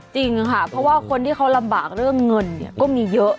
จริงค่ะเพราะว่าคนที่เขาลำบากเรื่องเงินก็มีเยอะ